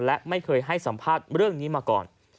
และไม่เคยให้สัมภาษณ์เรื่องนี้มาก่อน